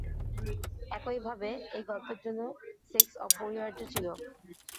একইভাবে, এই গল্পের জন্য সেক্স অপরিহার্য ছিল।